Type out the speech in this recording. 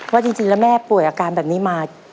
ว่าจริงแล้วแม่ป่วยอาการแบบนี้มา